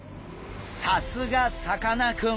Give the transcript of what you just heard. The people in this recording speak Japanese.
さすがさかなクン！